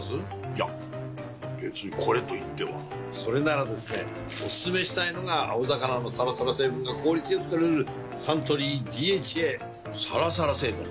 いや別にこれといってはそれならですねおすすめしたいのが青魚のサラサラ成分が効率良く摂れるサントリー「ＤＨＡ」サラサラ成分？